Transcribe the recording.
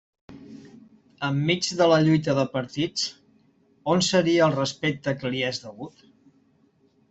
Enmig de la lluita de partits, ¿on seria el respecte que li és degut?